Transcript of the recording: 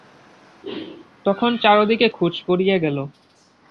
তখন চারিদিকে খোঁজ পড়িয়া গেল।